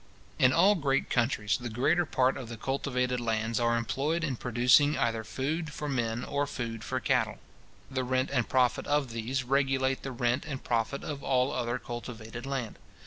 In all great countries, the greater part of the cultivated lands are employed in producing either food for men or food for cattle. The rent and profit of these regulate the rent and profit of all other cultivated land.